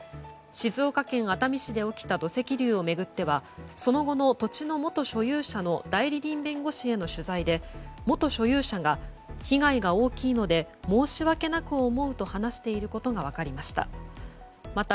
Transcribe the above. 静岡県熱海市で起きた土石流を巡ってはその後の、土地の元所有者の代理人弁護士への取材で元所有者が、被害が大きいので申し訳なく思うと話していることが分かりました。